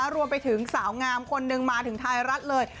รวมไปถึงสาวงามคนนึงมาถึงไทยรัฐเลย